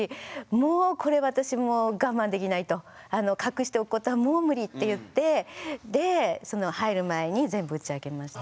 もうこれ私もう我慢できないと隠しておくことはもうムリって言ってで入る前に全部打ち明けました。